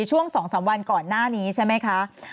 ช่วง๒๓วันก่อนหน้านี้ใช่ไหมคะ